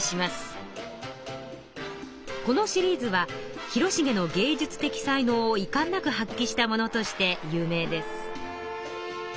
このシリーズは広重の芸術的才能をいかんなく発揮したものとして有名です。